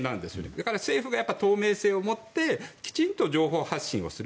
だから政府が透明性をもってきちんと情報発信をする。